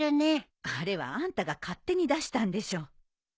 あれはあんたが勝手に出したんでしょ。